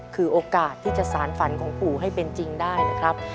คือโอกาสที่จะสารฝันของปู่ให้เป็นจริงได้นะครับ